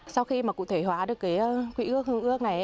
sau khi cụ thể hóa được quy ước hương ước này